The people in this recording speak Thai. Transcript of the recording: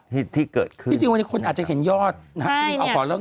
ที่ติดเกิดขึ้นพี่จริงว่านี้คุณอาจจะเห็นยอดใช่เอายอดก่อนหรอ